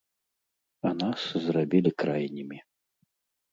А нас зрабілі крайнімі.